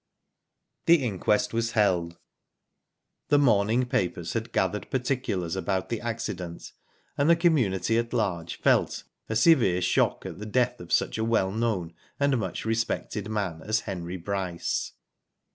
The inquest was held. The morning papers had gathered particulars about the accident, and Digitized byGoogk 24 IVHO DID IT? the community at large felt a severe shock at the death of such a well known and much respected . man as Henry Bryce.